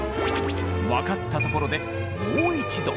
分かったところでもう一度！